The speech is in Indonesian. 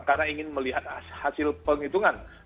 karena ingin melihat hasil penghitungan itu